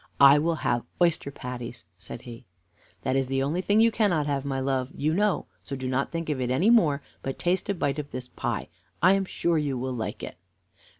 "I will have oyster patties," said he. "That is the only thing you cannot have, my love, you know, so do not think of it any more, but taste a bit of this pie. I am sure you will like it."